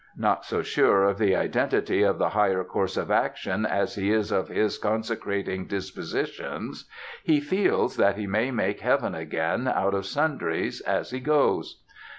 Not so sure of the identity of the higher course of action as he is of his consecrating dispositions, he feels that he may make heaven again, out of sundries, as he goes.